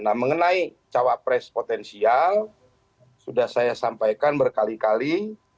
nah mengenai cawapres potensial sudah saya sampaikan berkali kali